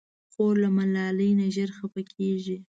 خور له ملالۍ نه ژر خفه کېږي.